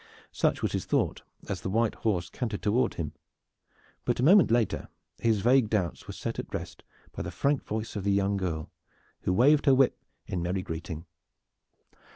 Such was his thought as the white horse cantered toward him; but a moment later his vague doubts were set at rest by the frank voice of the young girl, who waved her whip in merry greeting.